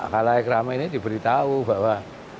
kalau ekrama ini diberitahu bahwa